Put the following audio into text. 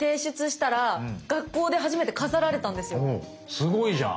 すごいじゃん！